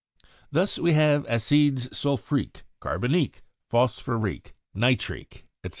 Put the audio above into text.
Thus we have 'acides sulfurique, carbonique, phos phorique, nitrique/ etc.